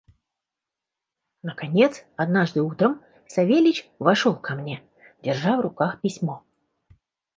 Наконец однажды утром Савельич вошел ко мне, держа в руках письмо.